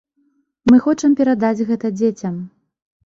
Мы хочам перадаць гэта дзецям.